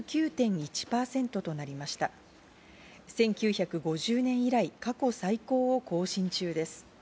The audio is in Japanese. １９５０年以来、過去最高を更新中です。